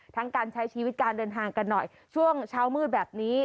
การใช้ชีวิตการเดินทางกันหน่อยช่วงเช้ามืดแบบนี้